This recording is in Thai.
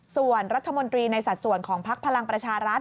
ส่วนรัฐมนตรีในสัดส่วนของพักพลังประชารัฐ